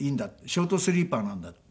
ショートスリーパーなんだ。